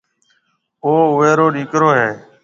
او اُوئي رو ڏِيڪرو هيَ